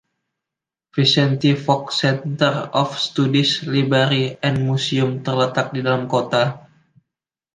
Vicente Fox Center of Studies, Library and Museum terletak di dalam kota.